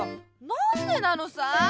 なんでなのさ！